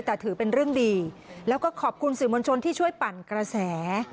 แต่ถือเป็นเรื่องดีแล้วก็ขอบคุณสื่อมวลชนที่ช่วยปั่นกระแส